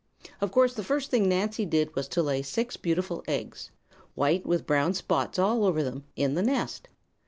Of course, the first thing Nancy did was to lay six beautiful eggs white with brown spots all over them in the nest.